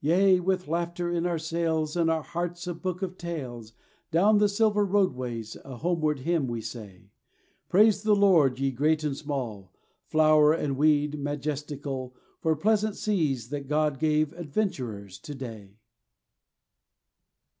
Yea, with laughter in our sails and our hearts a book of tales, Down the silver roadways, a homeward hymn we say: Praise the Lord ye great and small, flower and weed majestical, For pleasant seas that God gave adventurers today.